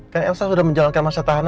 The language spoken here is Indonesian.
kan elsa sudah menjalankan masa tahanan